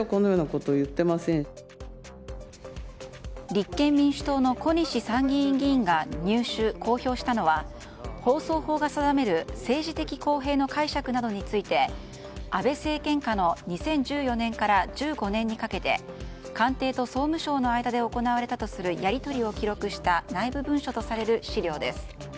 立憲民主党の小西参議院議員が入手・公表したのは放送法が定める政治的公平の解釈などについて安倍政権下の２０１４年から１５年にかけて官邸と総務省の間で行われたとするやり取りを記録した内部文書とされる資料です。